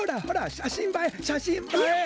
しゃしんばえしゃしんばえ！